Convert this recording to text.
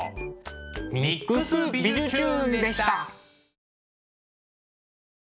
「ＭＩＸびじゅチューン！」でした。